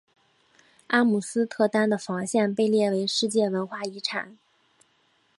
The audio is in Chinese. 阿姆斯特丹的防线被列为世界文化遗产。